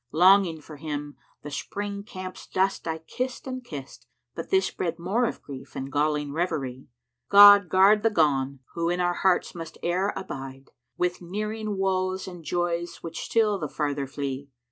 Longing for him, the Spring camp's dust I kissed and kissed, * But this bred more of grief and galling reverie. God guard the gone, who in our hearts must e'er abide * With nearing woes and joys which still the farther flee.